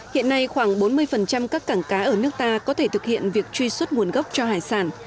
hiện nay khoảng bốn mươi các cảng cá ở nước ta có thể thực hiện việc truy xuất nguồn gốc cho hải sản